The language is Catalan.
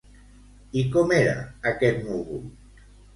I com era aquest núvol?